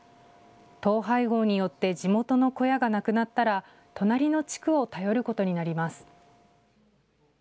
統廃合によって地元の小屋がなくなったら隣の地区を頼ることになります。